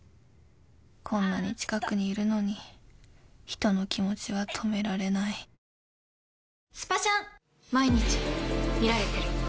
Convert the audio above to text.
こんなに近くにいるのに人の気持ちは止められないあっシイナさん。